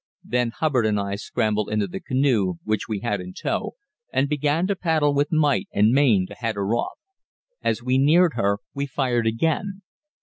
Then Hubbard and I scramble into the canoe, which we had in tow, and began to paddle with might and main to head her off. As we neared her, we fired again.